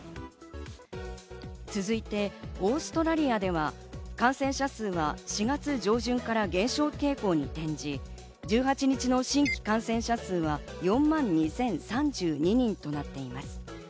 続いてオーストラリアでは、感染者数は４月上旬から減少傾向に転じ、１８日の新規感染者数は４万２０３２人となっています。